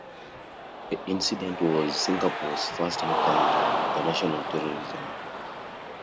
The incident was Singapore's first encounter with international terrorism.